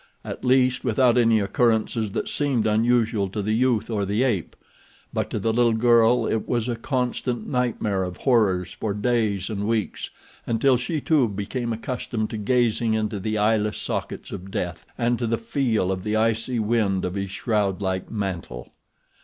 At least without any occurrences that seemed unusual to the youth or the ape; but to the little girl it was a constant nightmare of horrors for days and weeks, until she too became accustomed to gazing into the eyeless sockets of death and to the feel of the icy wind of his shroud like mantle.